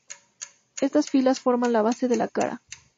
Estas filas forman la base de la cara.